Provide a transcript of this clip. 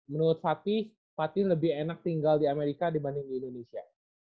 menurut fatih fatih lebih enak tinggal di amerika dibanding di indonesia